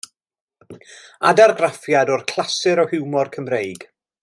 Adargraffiad o'r clasur o hiwmor Cymreig.